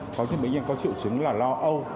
có thêm bệnh nhân có triệu chứng là lo âu